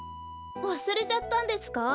わすれちゃったんですか？